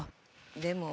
でも。